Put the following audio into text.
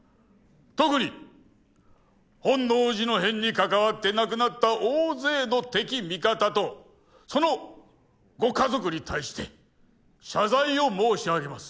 特に本能寺の変に関わって亡くなった大勢の敵味方とそのご家族に対して謝罪を申し上げます。